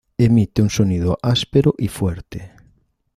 Emite un sonido áspero y fuerte.